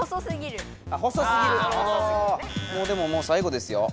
でももうさいごですよ。